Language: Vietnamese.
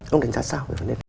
ông đánh giá sao về vấn đề này